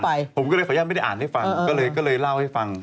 ผมก็เลยขออนุญาตไม่ได้อ่านให้ฟังก็เลยก็เลยเล่าให้ฟัง